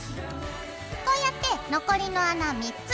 こうやって残りの穴３つ。